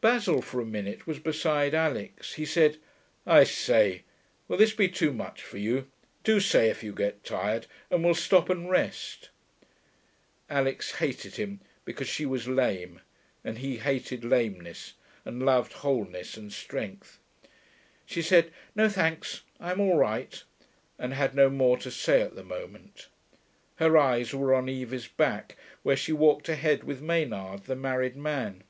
3 Basil for a minute was beside Alix. He said, 'I say, will this be too much for you? Do say if you get tired, and we'll stop and rest.' Alix hated him because she was lame and he hated lameness and loved wholeness and strength. She said, 'No thanks, I'm all right,' and had no more to say at the moment. His eyes were on Evie's back, where she walked ahead with Maynard, the married man.